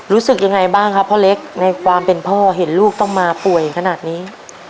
รู้สึกยังไงบ้างครับพ่อเล็กในความเป็นพ่อเห็นลูกต้องมาป่วยขนาดนี้